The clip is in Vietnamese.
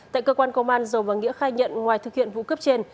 tại cơ quan công an dầu và nghĩa khai nhận ngoài thực hiện vụ cướp trên